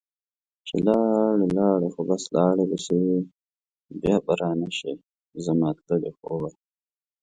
چې لاړي لاړي خو بس لاړي پسي ، بیا به رانشي زما تللي خوبه